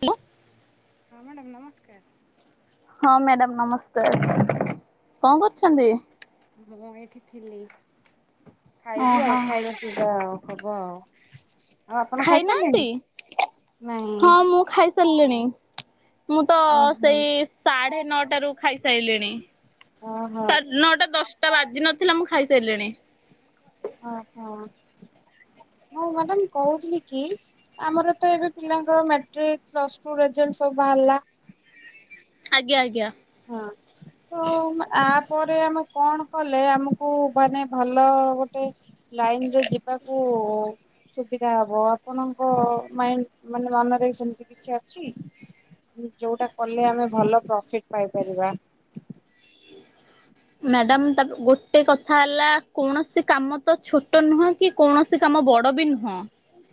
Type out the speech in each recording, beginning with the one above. Hello. ହଁ madam ନମସ୍କାର। ହଁ ମ୍ୟାଡ଼ାମ ନମସ୍କାର କଣ କରୁଛନ୍ତି? ମୁଁ ଏଇଠି ଥିଲି ଖାଇବି ଓହୋ। ଆଉ ଖାଇବା ପିଇବା ଆଉ ହବ ଆଉ। ଆଉ ଆପଣ ଖାଇନାହାନ୍ତି ଖାଇସାରିଲେଣି? ନାଇଁ। ହଁ ମୁଁ ଖାଇଶ୍ ସାରିଲିଣି ମୁଁ ତ ଓହୋ ସେଇ ସାଢେ ନଅଟାରୁୁ ଖାଇସାରିଲିଣି। ଓହୋ ସାଢେ ନଅଟା ଦଶଟା ବାଜି ନଥିଲା ମୁଁ ଖାଇସାଇଲିଣି। ଓହୋ ମୁଁ ମ୍ୟାଡ଼ାାମ କହୁଥିଲି କି ଆମର ତ ଏବେ ପିଲାଙ୍କର ମାଟ୍ରିକ ପ୍ଲସ ଟୁ ରେଜଲ୍ଟ ସବୁ ବାହାରିଲା। ଆଜ୍ଞା ଆଜ୍ଞା। ହଁ। ତ ଆ ପରେ ଆମେ କଣ କଲେ ଆମକୁ ମାନେ ଭଲ ଗୋଟେ ଲାଇନ ଯୋଉ ଯିବାକୁଉ। ସୁବିଧା ହବ ଆପଣଙ୍କ ମାଇଣ୍ଡ ମାନେ ମନରେ ସେମତି କିଛି ଅଛି। ଯଉଟା କଲେ ଆମେ ଭଲ ପ୍ରଫିଟ ପାଇପାରିବା। ମ୍ୟାଡ଼ାମ ତା ଗୋଟେ କଥା ହେଲା କୌଣସି କାମ ତ ଛୋଟ ନୁହଁ। କି କୌଣସି କାମ ବଡ ବି ନୁହଁ।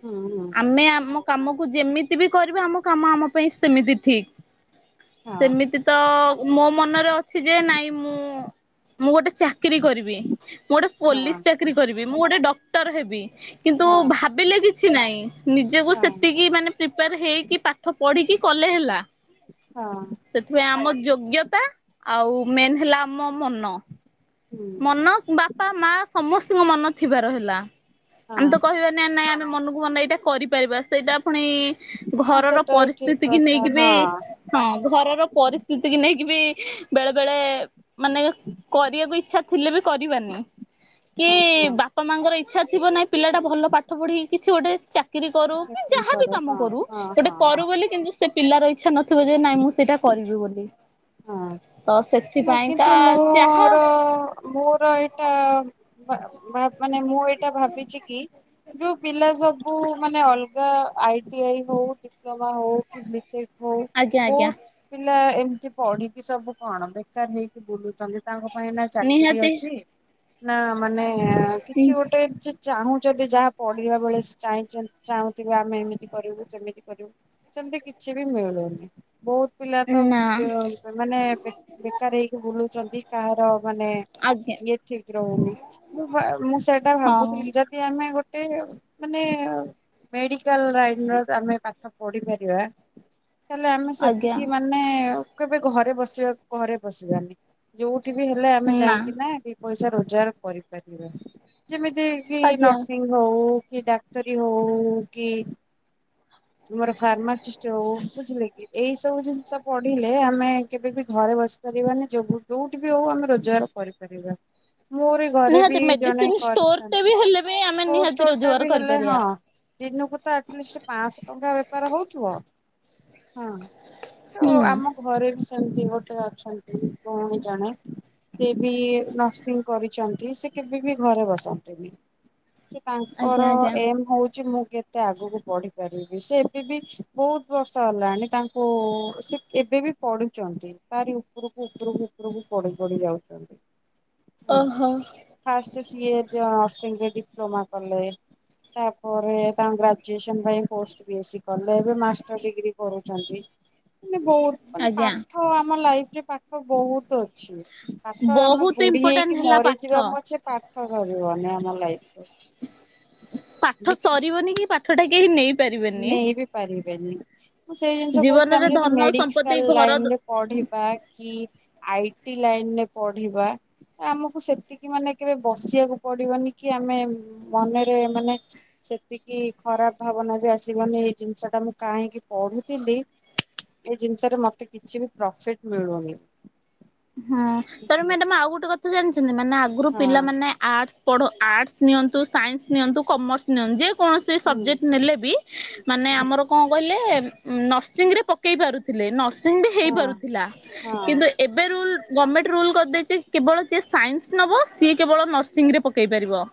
ହୁଁ। ଆମେ ଆମ କାମକୁ ଯେମିତି ବି କରିବା ଆମ କାମ ଆମ ପାଇଁ ସେମିତି ଠିକ। ହଁ ସେମିତି ତ ମୋ ମନରେ ଅଛି ଯେ ନାଇଁ ମୁଁ ମୁଁ ଗୋଟେ ଚାକିରୀ କରିବି ମୁଁ ଗୋଟେ ହଁ ପୋଲିସ ଚାକିରୀ କରିବି ମୁଁ ଗୋଟେ ଡକ୍ଟର ହେବି। କିନ୍ତୁ ହଁ ଭାବିଲେ କିଛି ନାହିଁ ନିଜକୁ ହଁ ସେତିକି ମାନେ ପ୍ରିପେୟାର ହେଇକି ପାଠ ପଢ଼ିକି କଲେ ହେଲା। ହଁ। ସେଥିପାଇଁ ଆମ ଯୋଗ୍ୟତା ଆଉ ମେନ ହେଲା ଆମ ମନ ହୁଁ ମ ବାପା ମା ସମସ୍ତଙ୍କ ମନ ଥିବାର ହେଲା ଆମେ ହଁ ତ କହିବା ନାଇଁ ନାଇଁ ଆମେ ମନକୁ ମନେ ଏଇଟା କରିପାରିବା। ସେଇଟା ପୁଣି ହଁ ଘରର ସେଟା ବି ଠିକ ପରିସ୍ଥିତି କି କଥା ନେଇକିବି ହଁ ହଁ ଘରର ପରିସ୍ଥିତି କି ନେଇକି ବି ବେଳେ ବେଳେ ମାନେ କରିବାକୁ ଇଚ୍ଛା ଥିଲେ ବି କରିବାନି କି ହଁ ହଁ ବା ବାପା ମାଙ୍କ ଇଚ୍ଛା ଥିବ ନାହିଁ ପିଲା ଭଲ ପାଠ ପଢିକି କିଛି ଗୋଟେ ଚା ଚାକିରି କରୁ କି ଚାକିରି ଯାହାବି କର କାମ ହଁ କରୁ ହଁ ଗୋଟେ ହଁ ହଁ କରୁ ବୋଲି କିନ୍ତୁ ସେ ପିଲାର ଇଚ୍ଛା ନଥିବ ଯେ ନାଇଁ ମୁଁ ସେଇଟା କରିବି ବୋଲି। ହଁ ତ ମାନେ ସେଥିପାଇଁକା କିନ୍ତୁ ଯାହା ମୋର ମୋର ଏଇଟା ମାନେ ମୁଁ ଏଇଟା ଭାବିଛି କି? ଯୋଉ ପିଲା ସବୁ ମାନେ ଅଲଗା ଆଇ ଟି ଆଇ ହଉ ଡି ଡିପ୍ଲୋମା ହଉ କି ବି ଟେକ୍। ହଉ ଆଜ୍ଞା ଆଜ୍ଞା ବହୁତ ପିଲା ଏମିତି ପଢିକି ସବୁ କଣ ବେକାର ହେଇକି ବୁଲୁଛନ୍ତି। ତାଙ୍କ ପାଇଁ ନା ଚାକିରି ନିହାତି ଅଛି ନା ମାନେ କିଛି ଗୋଟେ ଚି ଚାହୁଁଛନ୍ତି ଯାହା ପଢିବାବେଳେ ଚାଁ ଚାହୁଁଥିବେ ଆମେ ଏମିତି କରିବୁ ସେମିତି କରିବୁ। ସେମିତି କିଛି ବି ମିଳୁନି ବହୁତ ପିଲା ତ ନା ମାନେ ବେକାର ହେଇକି ବୁଲୁଛନ୍ତି? କାହାର ମାନେ ଆଜ୍ଞା ଇଏ ଠିକ ରହୁନି ମୁଁ ମୁଁ ସେଇଟା ହଁ। ଭାବୁଥିଲି ଯେ ଆମେ ଗୋଟେ ମାନେ ମେଡିକାଲ ଲାଇନର ଆମେ ପାଠ ପଢିପାରିବା ତାଲେ ଆମେ ଆଜ୍ଞା ସେତିକି ମାନେ କେବେ ଘରେ ବସିବା ଘରେ ବସିବାନି ଯୋଉଠି ବି ହେଲେ ଆମେ ଯାଇକି ନା ପଇସା ରୋଜଗାର କରିପାରିବା ଯେମିତି କି ଆଜ୍ଞା। ନର୍ସିଂ ହଉ କି ଡାକ୍ଟର ହଉ କି ତୁମର ଫାର୍ମାସିଷ୍ଟ ହଉ ବୁଝିଲେ କି? ଏଇ ସବୁ ଜିନିଷ ପଢିଲେ ଆମେ କେବେ ବି ଘରେ ବସିପାରିବାନି ଯୋଗୁ ଯୋଉଠି ବି ହଉ ଆମେ ରୋଜଗାର କରିପାରିବା ମୋରି ଘରେ ବି ନିହାତି ଜଣେ ମେଡିସିନ ଷ୍ଟୋରଟେ କରିଛନ୍ତି ବି ହେଲେ ବି ଆମେ ନିହାତି ପୋଷ୍ଟଟା ରୋଜଗାର ବି ହେଲେ କରିପାରିବା। ହଁ। ଦିନକୁ ତ ଆଟଲିଷ୍ଟ ପାଞ୍ଚଶହ ଟଙ୍କା ବେପାର ହଉଥିବ ହଁ। ତ ହୁଁ ଆମ ଘରେ ବି ସେମିତି ଗୋଟେ ଅଛନ୍ତି ଭଉଣୀ ଜଣେ ସେ ବି ନର୍ସିଂ କରିଛନ୍ତି ସେ କେବେ ବି ଘରେ ବସନ୍ତିନି। ଆଜ୍ଞା ତାଙ୍କର ଆଜ୍ଞା। ଏମ ହଉଛି ମୁଁ କେତେ ଆଗକୁ ବଢି ପାରିବି। ସେ ଏବେ ବି ବହୁତ ବର୍ଷ ହେଲାଣି ତାଙ୍କୁ ସେ ଏବେ ବି ପଢୁଛନ୍ତି। ତାରି ଉପରକୁ, ଉପରକୁ, ଉପରକୁ ପଢି, ପଢି ଯାଉଛନ୍ତି। ହଁ। ଓହୋ। ଫାଷ୍ଟ ସିଏ ନର୍ସିଂରେ ଡିପ୍ଲୋମା କଲେ। ତାପରେ ତାଙ୍କ ଗ୍ରାଜୁଏସନ ପାଇଁ ପୋ ସିବିଏସି କଲେ ଏବେ ମାଷ୍ଟର ଡିଗ୍ରୀ କରୁଛନ୍ତି ମାନେ ବହୁତ ମାନେ ପା ଆଜ୍ଞା ହଁ ଆମ ଲାଇଫରେ ପାଠ ବହୁତ ଅଛି। ପାଠ ଆମେ ବହୁତ ବୁଢୀ ଇମ୍ପୋର୍ଟାଣ୍ଟ ହେଇକି ହେଲା ପାଠ। ମରିଯିବା ପଛେ ପାଠ ସରିବନି ଆମ ଲାଇଫରୁ। ପାଠ ଯେତେ ସରିବନି କି ପାଠ ଟା କେହି ନେଇ ପାରିବେନି। ନେଇ ବି ପାରିବେନି ମୁଁ ସେଇ ଜିନିଷ କହୁଥିଲି ଜୀବନରେ ଆମେ ଯଦି ଧନ ମେଡିକାଲ ସମ୍ପତ୍ତି ଘର ଲାଇନରେ ପଢିବା କି ଆଇଟି ଲାଇନ ରେ ପଢିବା ଆମକୁ ସେତିକି ମାନେ କେବେ ବସିବାକୁ ପଡିବନି କି ଆମେ ମନରେ ମାନେ ସେତିକି ଖରାପ ଭାବନା ବି ଆସିବନି ଏଇ ଜିନିଷ ଟା ମୁଁ କାହିଁକି ପଢୁଥିଲି ଏ ଜିନିଷରେ ମତେ କିଛିବି ପ୍ରଫିଟ ମିଳୁନି। ହୁଁ, ତେଣୁ ବୁଝିଲେ। ମ୍ୟାଡାମ କି? ଆଉ ଗୋଟେ କଥା ଜାଣିଛନ୍ତି ମାନେ ଆଗରୁ ହଁ ପିଲାମାନେ ଆର୍ଟସ୍ ପଢ଼ ଆର୍ଟସ୍ ନିଅନ୍ତୁ, ସାଇନ୍ସ ନିଅନ୍ତୁ, କମର୍ସ ନିଅନ୍ତୁ ଯେକୌଣସି ସବଜେକ୍ଟ ହୁଁ ନେଲେ ବି ମାନେ ଆମର କଣ କହିଲେ ନର୍ସିଂରେ ପ ପକେଇ ପାରୁଥିଲେ ନର୍ସିଂବି ହଁ ହେଇପାରୁଥିଲା ହଁ କିନ୍ତୁ ଏବେ ରୁଲ ଗମେଣ୍ଟ ରୁଲ କରିଦେଇଚି କେବଳ ଯିଏ ସାଇନ୍ସ ନେବ ସିଏ କେବଳ ନର୍ସିଂରେ ପକେଇ ପାରିବ।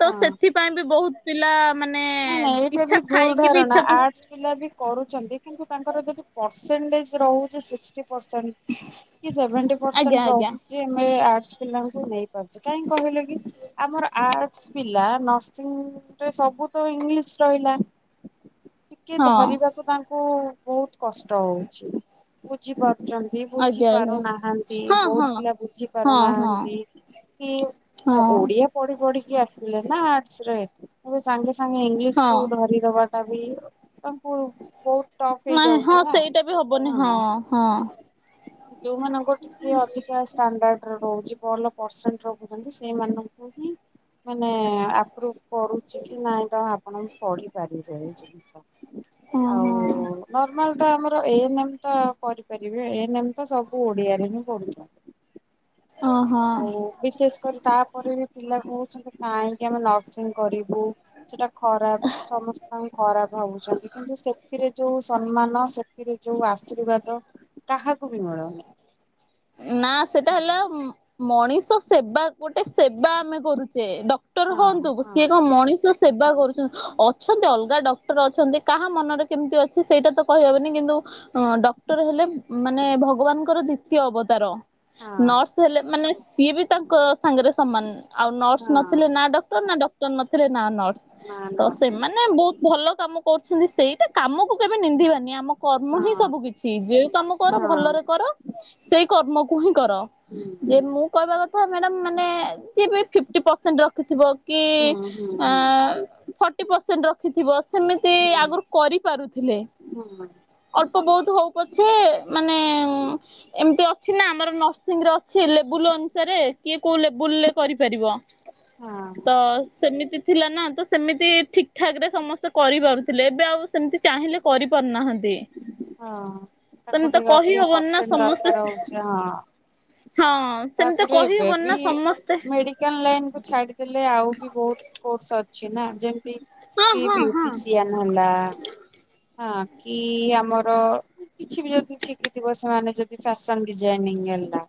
ତ ହଁ। ସେଥିପାଇଁ ବି ବହୁତ ପିଲା ମାନେ ନାଇଁ ନାଇଁ ଏଇଟା ବି ଇଚ୍ଛା ଭୁଲ ଥାଇକିବି ଧାରଣା ଇଚ୍ଛାକୁ ଆର୍ଟସ ପିଲା ବି କରୁଛନ୍ତି କିନ୍ତୁ ତାଙ୍କର ଯଦି ପରସେଣ୍ଟେଜ ରହୁଛି ସିକ୍ସଟି ପରସେଣ୍ଟ କି ସେଭେଣ୍ଟି ଆଜ୍ଞା ପରସେଣ୍ଟ ଆଜ୍ଞା ରହୁଛି ଆମେ ଆର୍ଟ୍ସ ପିଲାଙ୍କୁ ନେଇପାରୁଛେ କାହିଁ କହିଲେ କି ଆମର ଆର୍ଟସ ପିଲା ନର୍ସିଂ ରେ ସବୁ ଇଂଗିଲିଶ ରହିଲା ଟିକେ ହଁ ଧରିବାକୁ ତାଙ୍କୁ ବହୁତ କଷ୍ଟ ହଉଛି ବୁଝି ପାରୁଛନ୍ତି କି ବୁଝି ଆଜ୍ଞା ଆଜ୍ଞା ପାରୁନାହାନ୍ତି ହଁ ବହୁତ ହଁ ପିଲା ବୁଝି ହଁ ହଁ ପାରୁନାହାନ୍ତି। କି ହଁ, ଓଡ଼ିଆ ପଢି ପଢିକି ଆସିଲେ ନା ଆର୍ଟ୍ସରେ ଏବେ ସାଙ୍ଗେ ସାଙ୍ଗେ ଇଂଗିଲିଶ କୁ ହଁ। ଧରି ଦବାଟା ବି ଆପଣ ବହୁତ ଟଫ୍ ନାଇଁ ହଁ ହେଇଯାଉଛି ନା ସେଇଟା ବି ହବନି ହଁ, ହଁ। ଯୋଉମାନଙ୍କୁ ଟିକେ ଅଧିକା ଆସି ଷ୍ଟାଣ୍ଡାର୍ଡରେ ରହୁଛି ଭଲ ପରସେଣ୍ଟ ରଖୁଛନ୍ତି ସେଇମାନଙ୍କୁ ହିଁ ମାନେ ଆପ୍ରୁଭୁ କରୁଛି କି ନାଇଁ ତ ଆପଣ ପଢିପାରିବେ ଏ ଜିନିଷ ହଁ ହଁ ଆଉ ନର୍ମାଲ ତ ଆମର ଏନେ ଏମ୍ ତ କରିପାରିବେ ଏନେ ଏମ୍ ତ ସବୁ ଓଡିଆରେ ହିଁ ପଢୁଛ। ଅ ହଁ। ବିଶେଷ କରି ତାପରେ ବି ପିଲା କହୁଛନ୍ତି କାହିଁକି ଆମେ ନର୍ସିଂ କରିବୁ ସେଟା ଖରାପ ସମସ୍ତଙ୍କୁ ଖରାପ ଭାବୁଛନ୍ତି। କିନ୍ତୁ ସେଥିରେ ଯୋଉ ସମ୍ମାନ ସେଥିରେ ଯୋଉ ଆଶୀର୍ବାଦ କାହାକୁ ବି ମିଳୁନି। ନା ସେଟା ହେଲା ମଣିଷ ସେବା ଗୋଟେ ସେବା ଆମେ କରୁଛେ ଡ କ୍ଟର ହଁ ହୁଅନ୍ତୁ ହଁ ସିଏ କଣ ମଣିଷ ସେବା କରୁଛନ୍ତି ଅଛନ୍ତି ଅଲଗା ଡକ୍ଟର ଅଛନ୍ତି କାହା ମନରେ କେମିତି ଅଛି ସେଇଟା ତ କହିହବନି କିନ୍ତୁ ଡକ୍ଟର ହେଲେ ମାନେ ଭଗବାନଙ୍କର ଦ୍ଵିତୀୟ ଅବ ତାର। ହଁ ନର୍ସ ହେଲେ ମାନେ ସିଏ ବି ତାଙ୍କ ସାଙ୍ଗରେ ସମାନ ଆଉ ନର୍ସ ନଥିଲେ ହଁ ନା ଡକ୍ଟର ନା ଡ ଡ଼କ୍ଟର ନଥିଲେ ନା ନର୍ସ। ନା ତ ସେମାନେ ବହୁତ ଭଲ କାମ କରୁଛନ୍ତି। ସେଇଟା କାମକୁ କେବେ ନିନ୍ଦିବାନି ଆମ କର୍ମ ହିଁ ହଁ ସବୁ କିଛି ଯୋଉ କାମ କର ହଁ ଭଲରେ କର ସେଇ କର୍ମକୁ ହିଁ କର। ହୁଁ ଯେ ମୁଁ କହିବ କଥା ମ୍ୟାଡାମ ଯେଏବି ଵି ଫିପଟି ପେରସେଣ୍ଟ ରଖିଥିବା କି ହୁଁ ହୁଁ ଆ ଫର୍ଟି ପରସେଣ୍ଟ ରଖିଥିବ ସେମିତି ଆଗରୁ କରିପାରୁଥିଲେ। ମୋ ମା। ଅଳ୍ପ ବହୁତ ହଉ ପଛେ ମାନେ ଏମତି ନା ଆମର ନର୍ସିଂରେ ଅଛି ଲେବୁଲ ଅନୁସାରେ କିଏ କୋଉ ଲେବୁଲରେ କରିପାରିବ ହଁ ତ ସେମିତି ଥିଲା ନା ତ ସେମିତି ଠିକ୍ ଠାକ୍ ରେ ସମସ୍ତେ କରିପାରୁଥିଲେ ଏବେ ଆଉ ସେମିତି ଚାହିଁଲେ କରିପାରୁନାହାନ୍ତି। ହଁ ନ୍ତି ମାନେ ତ କହିହବନି ନା ସମସ୍ତେ ଏ ହଁ। ହଁ ସେମତି କହି ହବନି ନା ସମସ୍ତେ କାଲ୍ ଲାଇନକୁ ଛାଡିଦେଲେ ଆଉ ବି ବୋହୁତ କୋର୍ସ ଅଛି ନା ଯେମତି ହଁ କି ହଁ ହଁ। ବ୍ୟୁଟିସିଆନ୍ ହେଲା ଆଁ କି ଆମର କିଛି ବି ଯଦି ଶିଖିଥିବ ସେମାନେ ଯଦି ଫ୍ୟାସନ ଡିଜାଇନିଂ ହେଲା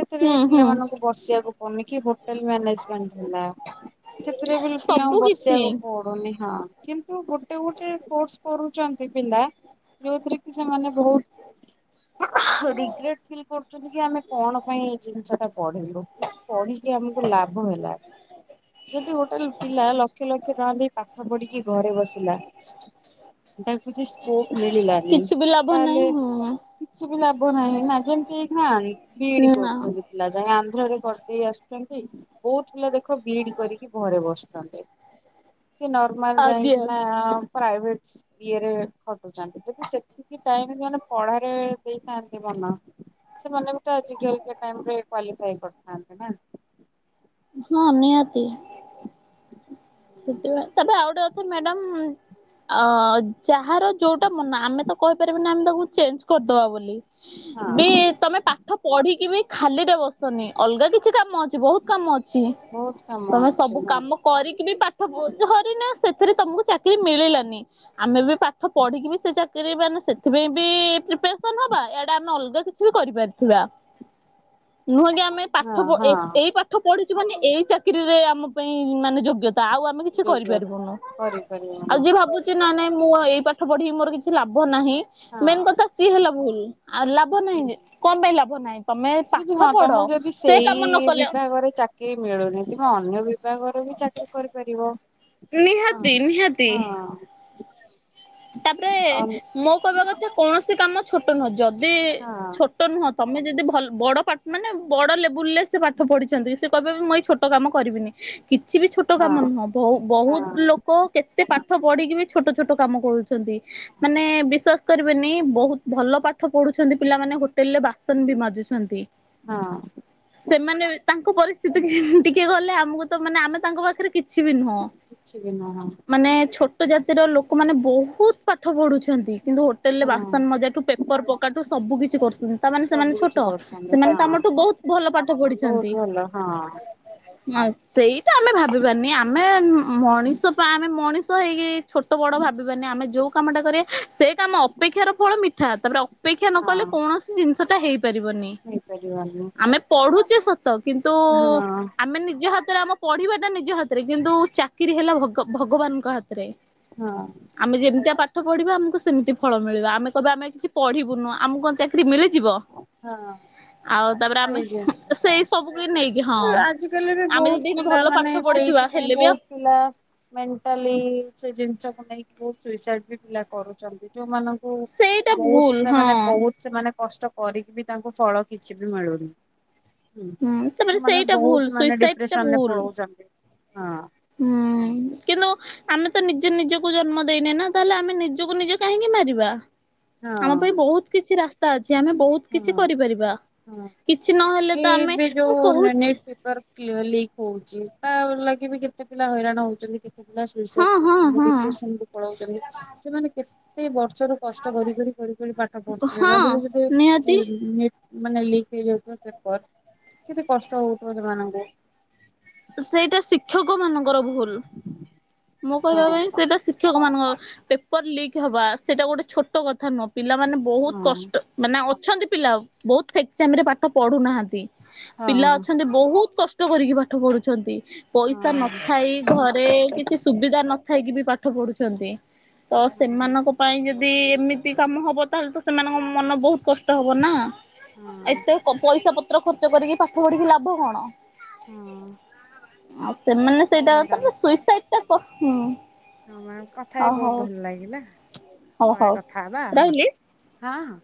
ସେଥିରେ ହୁଁ ବି ହୁଁ ପିଲାମାନଙ୍କୁ ବସିଆକୁ ପଡନି କି ହୋଟେଲ ମ୍ୟାନେଜମେଣ୍ଟ ହେଲା। ସେଥିରେ ପିଲ୍ ପିଲାଙ୍କୁ ସବୁ କିଛି ବସିବାକୁ ପ ଡୁନି ହଁ କିନ୍ତୁ ଗୋଟେ ଗୋଟେ କୋର୍ସ କରୁଚନ୍ତି ପିଲା ଯୋଉଥିରେ କି ସେମାନେ ବୋହୁତ ରିଗ୍ରେଟ୍ ଫିଲ୍ କରୁଚନ୍ତି କି ଆମେ କଣ ପାଇଁ ଏଇ ଜିନିଷଟା ପଢିଲୁ କିଛି ପଢିକି ଆମୁକୁ ଲାଭ ହେଲା ଯଦି ଗୋଟେ ଲ୍ ପିଲା ଲକ୍ଷ ଲକ୍ଷ ଟଙ୍କା ଦେଇ ପାଠ ପଢିକି ଘରେ ବସିଲା ତାକୁ କିଛି ସ୍କୋପ ମିଳିଲାନି କିଛି ବି ଲାଭ ନାହିଁ ତାହେଲେ ହୁଁ କିଛି ବି ଲାଭ ନାହିଁ ନା ଯେମତି ଏଇଖିନା ଆ ବି ଇ ଡି। ନା। ଏ ପିଲା ଯାଇ ଆନ୍ଧ୍ରରେ କରିଦେଇ ଆସୁଚନ୍ତି। ବୋହୁତ ପିଲା ଦେଖ ବି ଇ ଡି କରିକି ଘରେ ବସୁଚନ୍ତି। କିଏ ନର୍ମାଲ ଆଜ୍ଞା ଯାଇଁକିନା ପ୍ରାଇଭେଟ ଇଏରେ ଖଟୁଚନ୍ତି ଯଦି ସେତିକି ଟାଇମି ମାନେ ପଢାରେ ଦେଇଥାଆନ୍ତେ ମନ ସେମାନେ ବି ତ ଆଜିକାଲିକା ଟାଇମରେ କ୍ଵାଲିଫାଇ କରିଥାନ୍ତେ ନା। ଆଜ୍ଞା ନିଆତି। ସେତେବେଳେ ତାପରେ ଆଉ ଗୋଟେ କଥା ମ୍ୟାଡାମ୍ ଆ ଅ ଯାହାର ଯୋଉଟା ମନ ଆମେ ତ କହିପାରିବୁନି ନା ଆମେ ତାକୁ ଚେଞ୍ଜ କରିଦବା ବୋଲି। ବି ହଁ ତମେ ପାଠ ପଢିକି ବି ଖାଲିରେ ବସନି ଅଲଗା କିଛି କାମ ଅଛି ବୋହୁତ କାମ ଅଛି ବହୁତ କାମ ତମେ ଅଛି ସବୁ ହଁ କାମ କରିକି ବି ପା ଠ [unintelligible] ସେଥିରେ ତମୁକୁ ଚାକିରି ମିଳିଲାନି। ଆମେ ବି ପାଠ ପଢିକି ବି ସେ ଚାକିରି ମାନେ ସେଥିପାଇଁ ବି ପ୍ରିପ୍ୟାରେସନ୍ ହବା ଇଆଡେ ଆମେ ଅଲଗା କି ଛି ବି କରିପାରୁଥୁବା। ନୁହଁ କି ଆମେ ହଁ ପାଠ ପ ଏ ହଁ ଏଇ ପାଠ ପଢିଚୁ ମାନେ ଏଇ ଚାକିରିରେ ଆମ ପାଇଁ ମାନେ ଯୋଗ୍ୟତା ଆଉ ଆ ଆମେ କିଛି ଯୋଗ୍ୟତା। କରିପାରିବୁନୁ। କରିପାରିବ ଆଉ ନା ଯିଏ ଭାବୁ ଚି ନାଁ ନାଇଁ ମୁଁ ଏଇ ପାଠ ପଢିକି ମୋର କିଛି ଲାଭ ନାହିଁ। ମେନ୍ ହଁ। କଥା ସିଏ ହେଲା ଭୁଲ ଆଉ ଲାଭ ନାହିଁ ଯେ କଁ ପାଇଁ ଲାଭ ନାହିଁ। ତମେ ଯଦି ପାଠ ହଁ ପଢ ତମକୁ ଯଦି ସେ ସେଇ କାମ ନ କଲେ ବିଭାଗରେ ଚାକିରି ମିଳୁନି ଏଥିପାଇଁ ଅନ୍ୟ ବିଭାଗରେ ବି ଚାକିରି କରିପାରିବ। ନିହାତି ହଁ ନିହାତି। ହଁ ତାପରେ ହଁ ମୋ କଇବା କଥା କୌଣସି କାମ ଛୋଟ ନୁହଁ ଯଦି ଛୋ ହଁ ଟ ନୁହଁ ତମେ ଯଦି ଭଲ୍ ବଡ ପାଟ୍ ମାନେ ବଡ ଲେବୁଲଲେ ସିଏ ପାଠ ପଢିଛନ୍ତି ସିଏ କଇବ କି ମୁଁ ଏଇ ଛୋ ଟ କାମ କରିବିନି। କିଛି ବି ଛୋଟ କାମ ନୁହଁ ବହୁ ବହୁତ ହଁ। ଲୋକ କେତେ ପାଠ ପଢିକି ବି ଛୋଟ ଛୋଟ କାମ କରୁଛନ୍ତି ମାନେ ବିଶ୍ଵାସ କରିବେନି ବୋହୁତ ଭଲ ପାଠ ପଢୁଛନ୍ତି ପିଲାମାନେ ହୋଟେଲରେ ବାସ୍ ସନ୍ ବି ମାଜୁଛନ୍ତି। ହଁ ସେମାନେ ତାଙ୍କ ପରିସ୍ଥିତିକି ହିଁ ହିଁ ଟିକେ ଗଲେ ଆମକୁ ତ ମାନେ ଆମେ ତାଙ୍କ ପାଖେରେ କିଛି ବି ନୁହଁ। ଛି ବି ନୁହଁ। ମାନେ ଛୋଟ ଜାତିର ଲୋକମାନେ ବୋହୁତ ପାଠ ପଢୁଛନ୍ତି କିନ୍ତୁ ଟେଲରେ ହଁ ବାସନ ମଜା ଠୁ ପେପର ପକା ଠୁ ସବୁ କିଛି କରୁ [unintelligible] ତା ମାନେ ସବୁ ସେମାନେ କିଛି ଛୋଟ କରୁଛନ୍ତି ହଁ। ସେମାନେ ତ ଆମଠୁ ବୋହୁତ ଭଲ ପାଠ ବହୁତ ପଢିଛନ୍ତି। ଭଲ ହଁ ନା ସେଇଟା ଆମେ ଭାବିବାନି ଆମେ ଉଁ ଉଁ ମଣିଷ ପା ଆମେ ମଣିଷ ହେଇକି ଛୋଟ ବଡ ଭାବିବାନି ଆମେ ଯୋଉ କାମଟା କରିବା ସେ କାମ ଅପେକ୍ଷାର ଫଳ ମିଠା ତାପରେ ଅ ପେକ୍ଷା ନ ହଁ କଲେ କୌଣସି ଜିନିଷଟା ହେଇପାରିବନି। ହେଇପାରିବନି। ଆମେ ପଢୁଛେ ସତ, କିନ୍ତୁ ହଁ ଆମେ ନିଜ ହାତରେ ଆମ ପଢିବା ଟା ନିଜ ହାତରେ କିନ୍ତୁ ଚାକିରି ହେଲା ଭଗବାନଙ୍କ ହାତରେ। ହଁ। ଆମେ ଯେମିତିଆ ପାଠ ପଢିବା ଆମକୁ ସେମିତି ଫଳ ମିଳିବ ଆମେ କହିବା ଆମେ କିଛି ପଢିବୁନୁ ଆମକୁ କଣ ଚା କିରି ମିଳିଯିବ। ହଁ। ଆଉ ତାପରେ ଆମେ ସେଇ ଜିନିଷଟା ସେଇ ସବୁ କି ନେଇକି ହଁ ତାପରେ ଆଜିକାଲି ବି ଆମେ ବହୁତ ଯଦି ଭଲ ପାଠ ପଢିଥିବା ହେଲେ ବି ଆଉ ଥିଲା। ମେଣ୍ଟାଲି ସେ ଜିନିଷକୁ ନେଇକି ବହୁ ସୁସାଇଡ ବି ପିଲା କରୁଛନ୍ତି ଯୋଉମାନଙ୍କ ସେଇଟା ବହୁତ ଭୁଲ ପିଲା ହଁ ମାନେ ବହୁତ ସେମାନେ କଷ୍ଟ କରିକି ବି ତାଙ୍କୁ ଫଳ କିଛି ବି ମିଳୁନି। ହୁଁ ତାପରେ ସେମାନେ ସେଇଟା ଭୁଲ ବହୁତ ମାନେ ସୁଇସାଇଡ ଟା ଡିପ୍ରେସନରେ ଭୁଲ। ପଳଉଛନ୍ତି ହଁ। ହୁଁ। କିନ୍ତୁ ଆମେ ତ ନିଜେ ନିଜକୁ ଜନ୍ମ ଦେଇନେ ନା ତାହେଲେ ଆମେ ନିଜକୁ ନିଜେ କାହିଁକି ମାରିବା। ହଁ ଆମ ପାଇଁ ବହୁତ କିଛି ରାସ୍ତା ଅଛି ଆମେ ବହୁତ ହଁ କିଛି କରିପାରିବା ହଁ। କିଛି ନହେଲେ ତ ଆମେ ମୁଁ କହୁଛି କ୍ଲିୟର ଲିକ୍ ହଉଛି ତା ଲାଗି ବି କେତେ ପିଲା ହଇରାଣ ହଉଛନ୍ତି। ପିଲା ସୁସାଇଡ ହଁ ହଁ କରୁଛନ୍ତି, ହଁ। ଡିପ୍ରେସନ କୁ ପଳାଉଛନ୍ତି ସେମାନେ କେତେ ବର୍ଷର କଷ୍ଟ କରି କରି କରି କରି ପାଠ ପଢୁଥିବେ, ହଁ ଭାବିଲା କେତେ ନିହାତି ନିଟ ମାନେ ଲିକ୍ ହେଇଯାଉିବ ପେପର କେତେ କଷ୍ଟ ହଉଥିବ ସେମାନଙ୍କୁ। ସେଇଟା ଶିକ୍ଷକ ମାନଙ୍କର ଭୁଲ। ମୁଁ କହିବା ପାଇଁ ହଁ ସେଇଟା ଶିକ୍ଷକ ମାନଙ୍କ ପେପ୍ ପର ଲିକ ହବା ସେଇଟା ଗୋଟେ ଛୋଟ କଥା ନୁହଁ ପିଲା ମାନେ ବହୁତ ହଁ କଷ୍ଟ ମାନେ ଅଛନ୍ତି ପିଲା ବହୁତ ଫେକ୍ଚାମି ରେ ପାଠ ପଢୁନାହାନ୍ତି ପିଲା ହଁ ଅଛନ୍ତି ବହୁତ କଷ୍ଟ କରିକି ପାଠ ପଢୁଛନ୍ତି ପଇସା ହଁ ନଥାଇ ଘରେ କିଛି ସୁବିଧା ନଥାଇକି ବି ପାଠ ପଢ଼ୁଛନ୍ତି ତ ସେମାନଙ୍କ ପାଇଁ ଯଦି ଏମିତି କାମ ହବ ତାହେଲେ ତ ସେମାନଙ୍କ ମନ ବହୁତ କଷ୍ଟ ହବ ନା। ହଁ ଏତେ ପଇସା ପତ୍ର ଖର୍ଚ୍ଚ କରିକି ପାଠ ପଢିକି ଲାଭ କଣ? ହଁ। ଆ ସେମାନେ ହଉ ସେଇଟା ତମେ ମ୍ୟାଡାମ ସୁଇସାଇଡ ଟା କ ହୁଁ। ହଁ ମ୍ୟା କଥା ହେଇ ହଉ ବହୁତ ହଉ ଭଲ ଲାଗିଲା ହଉ ପରେ ହଉ କଥା ହବା ହଁ ରହିଲି। ହଁ।